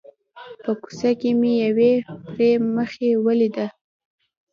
په کوڅه کې مې یوې پري مخې ولیده.